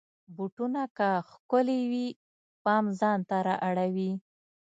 بوټونه که ښکلې وي، پام ځان ته را اړوي.